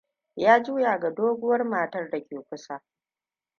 Ya juya ga doguwar matar da ke kusa.